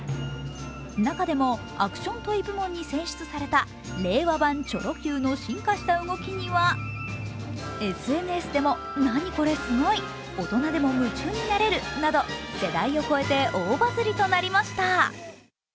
中でも、アクション・トイ部門に選出された令和版チョロＱの進化した動きにはＳＮＳでも何これすごい！大人でも夢中になれる！など、世代を超えて大バズりとなりました。